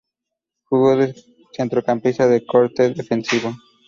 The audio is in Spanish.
Jugó de centrocampista de corte defensivo.